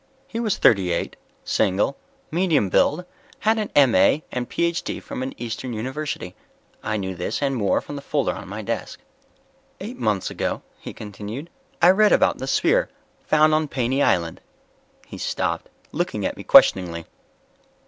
He was thirty eight, single, medium build, had an M.A. and Ph.D. from an eastern university. I knew this and more from the folder on my desk. "Eight months ago," he continued, "I read about the sphere found on Paney Island." He stopped, looking at me questioningly.